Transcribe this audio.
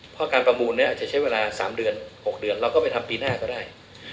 เพราะการประมูลเนี่ยอาจจะใช้เวลา๓เดือน๖เดือนเราก็ไปทำปีหน้าก็ได้